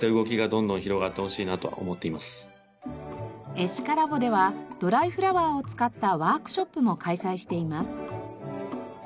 エシカラボではドライフラワーを使ったワークショップも開催しています。